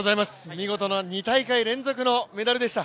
見事な２大会連続のメダルでした。